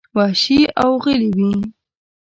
وحشي او غلي وې.